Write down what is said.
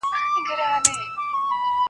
پټ یې د زړه نڅا منلای نه سم .